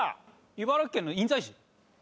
茨城県の印西市。